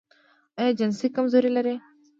ایا جنسي کمزوري لرئ؟